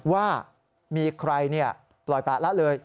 ว่ามีใครปล่อยปละละเลย